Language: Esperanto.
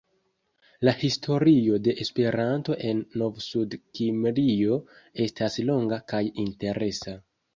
La historio de Esperanto en Novsudkimrio estas longa kaj interesa.